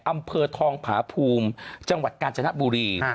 อำเภอทองผาภูมิจังหวัดกาญจนบุรี